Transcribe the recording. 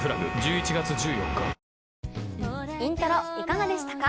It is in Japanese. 『イントロ』いかがでしたか？